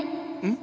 ん？